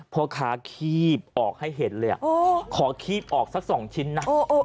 เพราะขาขีบออกให้เห็นเลยอ่ะขอขีบออกสักสองชิ้นน่ะ